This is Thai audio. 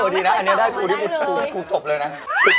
เราก็ไม่เคยปากมาได้เลย